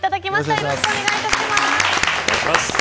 よろしくお願いします。